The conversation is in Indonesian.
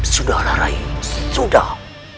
sudahlah rayi sudah